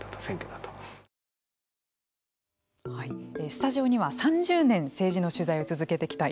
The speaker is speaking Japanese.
スタジオには３０年政治の取材を続けてきた